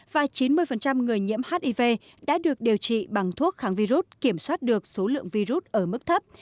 và chín mươi người nhiễm hiv đã được điều trị bằng thuốc kháng virus kiểm soát được số lượng virus ở mức thấp